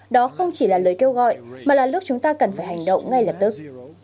đó không chỉ là lời kêu gọi mà là lúc chúng ta cần phải hành động ngay lập tức